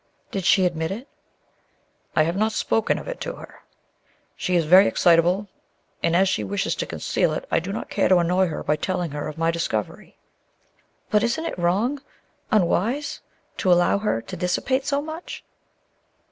"Did she admit it?" "I have not spoken of it to her; she is very excitable, and as she wishes to conceal it, I do not care to annoy her by telling her of my discovery." "But isn't it wrong unwise to allow her to dissipate so much?"